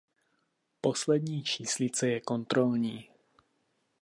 Poslední číslice je kontrolní.